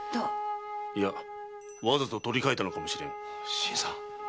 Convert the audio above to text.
いや。わざと取り替えたのかもしれん。